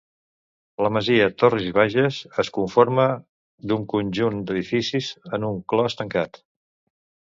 La masia Torres i Bages es conforma d'un conjunt d'edificis en un clos tancat.